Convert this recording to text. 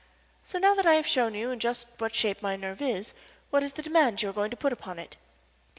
"So, now that I have shown you in just what shape my nerve is, what is the demand you are going to put upon it?"